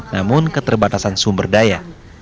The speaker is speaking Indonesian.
namun keterbatasan sumber daya